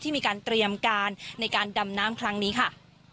มีการเตรียมการในการดำน้ำครั้งนี้ค่ะ